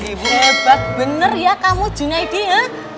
eh ibu hebat bener ya kamu jun daddy